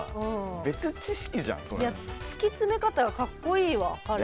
突き詰め方かっこいいわ。